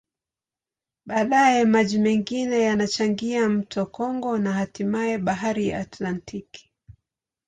Baadaye, maji mengine yanachangia mto Kongo na hatimaye Bahari ya Atlantiki.